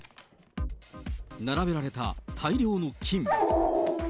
並べられた大量の金。